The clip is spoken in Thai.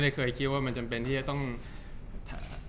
จากความไม่เข้าจันทร์ของผู้ใหญ่ของพ่อกับแม่